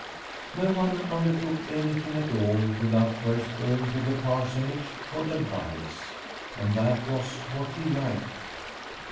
No one undertook anything at all without first going to the Parsonage for advice, and that was what he liked.